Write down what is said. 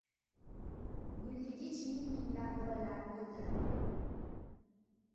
Gulligich ming-minglab bolalar bo‘ldi.